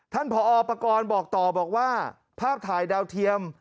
ผอปากรบอกต่อบอกว่าภาพถ่ายดาวเทียม